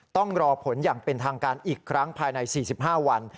ต้องรอผลอย่างเป็นทางการอีกครั้งภายใน๔๕วัน